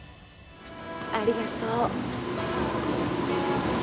ありがとう。